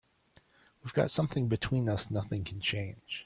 We've got something between us nothing can change.